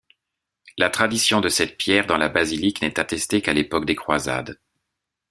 La tradition de cette pierre dans la basilique n'est attestée qu'à l'époque des croisades.